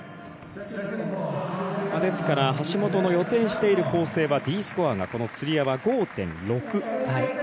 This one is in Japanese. ですから橋本の予定している構成はＤスコアがつり輪は５．６。